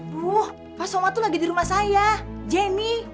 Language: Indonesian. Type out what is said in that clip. bu pak somad tuh lagi di rumah saya jenny